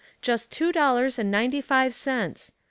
Just two dollars and ninety five cents.